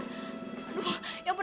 aduh ya ampun